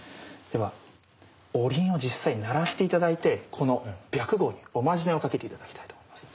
ではおりんを実際鳴らして頂いてこの白毫におまじないをかけて頂きたいと思います。